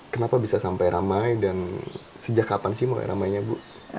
kenapa bisa sampai ramai dan sejak kapan sih mulai ramainya bu